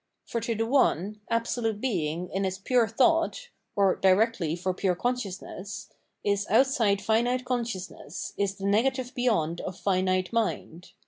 For to the one, absolute Being, in its pure thought — or directly for pure consciousness — ^is outside finite con sciousness, is the negative beyond of finite mind.